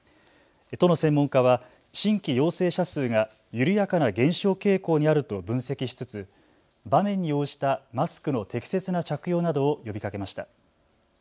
都の専門家は新規陽性者数が緩やかな減少傾向にあると分析しつつ場面に応じたマスクの適切な着用などを呼びかけました。